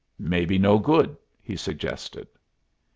"Maybe no good," he suggested.